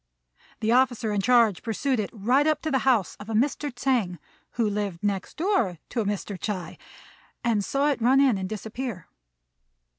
The officer in charge pursued it right up to the house of a Mr. Tsêng, who lived next door to Mr. Ts'ui, and saw it run in and disappear.